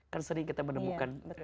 kan sering kita menemukan cerita ya